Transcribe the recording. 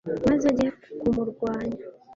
maze ajya kumurwanya